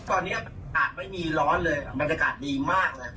ตอนนี้อาจไม่มีร้อนเลยบรรยากาศดีมากเลย